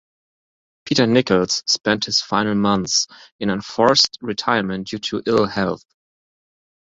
Peter Nichols spent his final months in enforced retirement due to ill health.